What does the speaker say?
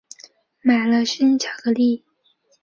买了生巧克力